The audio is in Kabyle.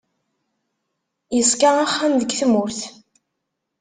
Yeṣka axxam deg tmurt.